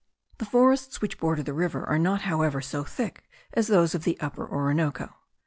The forests which border the river are not however so thick as those of the Upper Orinoco.